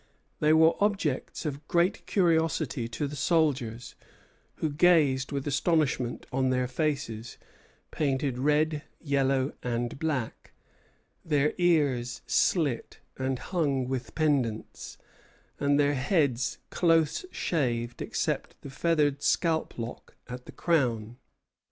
They were objects of great curiosity to the soldiers, who gazed with astonishment on their faces, painted red, yellow, and black, their ears slit and hung with pendants, and their heads close shaved, except the feathered scalp lock at the crown.